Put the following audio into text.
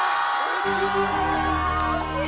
惜しい！